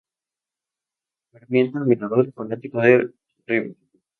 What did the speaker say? Ferviente admirador y fanático de River.